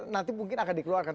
nanti mungkin akan dikeluarkan